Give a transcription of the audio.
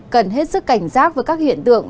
cần hết sức cảnh giác với các hiện tượng